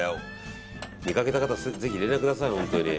見かけた方、ぜひ連絡ください。